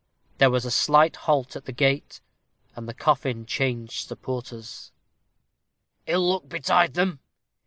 There was a slight halt at the gate, and the coffin changed supporters. "Ill luck betide them!"